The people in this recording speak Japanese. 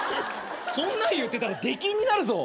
そんなん言ってたら出禁になるぞ。